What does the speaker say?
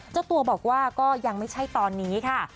เจ้าตัวบอกว่าก็ยังไม่ใช่ตอนนี้ค่ะ